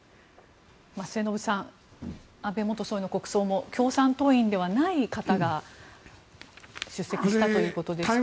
末延さん安倍元総理の国葬も共産党員ではない方が出席したということですが。